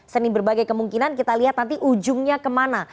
senin berbagai kemungkinan kita lihat nanti ujungnya kemana